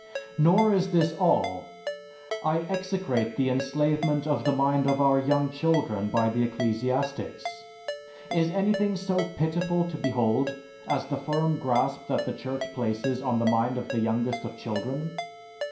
Nor is this all. I execrate the enslavement of the mind of our young children by the ecclesiastics. Is anything so pitiful to behold as the firm grasp that the Church places on the mind of the youngest of children?